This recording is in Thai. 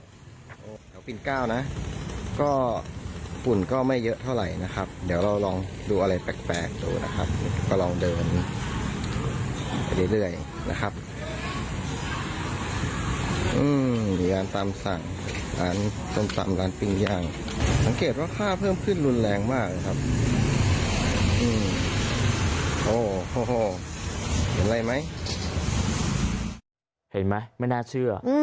เห็นไหมไม่น่าเชื่อ